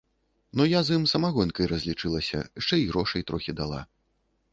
Ну, я з ім самагонкай разлічылася, шчэ й грошай трохі дала.